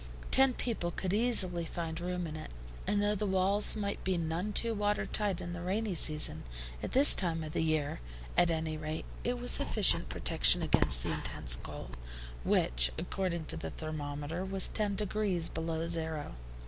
Ten people could easily find room in it, and though the walls might be none too water tight in the rainy season, at this time of the year, at any rate, it was sufficient protection against the intense cold, which, according to the thermometer, was ten degrees below zero.